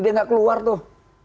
dia gak keluar tuh